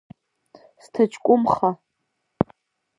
Сҭаҷкәымха.